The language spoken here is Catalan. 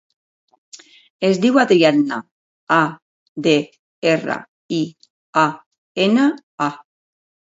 Es diu Adriana: a, de, erra, i, a, ena, a.